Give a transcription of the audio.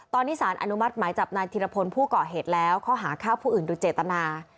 ตอนนี้สารอนุมัติหมายจับนายธิรพลผู้ก่อเหตุแล้วข้อหาฆ่าผู้อื่นโดยเจตนา